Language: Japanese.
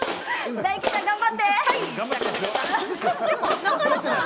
大吉さん頑張って。